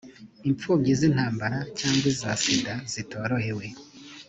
imfubyi z’intambara cyangwa iza sida zitishoboye